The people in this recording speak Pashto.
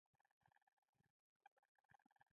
د ویښتو د رنګ لپاره باید څه شی وکاروم؟